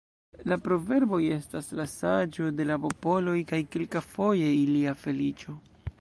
La proverboj estas la saĝo de la popoloj kaj kelkafoje ilia feliĉo.